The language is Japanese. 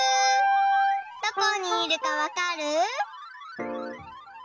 どこにいるかわかる？